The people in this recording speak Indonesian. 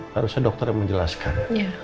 harusnya dokter yang menjelaskan